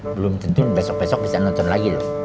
belum tentu besok besok bisa nonton lagi loh